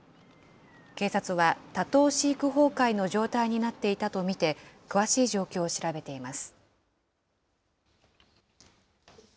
警察は多頭飼育崩壊の状態になっていたと見て、詳しい状況を調べています。